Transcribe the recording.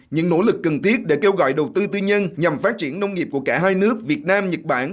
những nỗ lực cần thiết để kêu gọi đầu tư tư nhân nhằm phát triển nông nghiệp của cả hai nước việt nam nhật bản